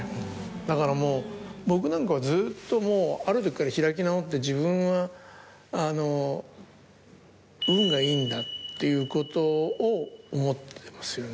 だからもう僕なんかはずっともうあるときから開き直って。っていうことを思ってますよね。